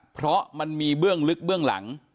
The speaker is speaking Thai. เพราะมันมีเบื้องลึกเบื้องหลัง